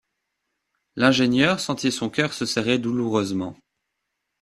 L’ingénieur sentit son cœur se serrer douloureusement.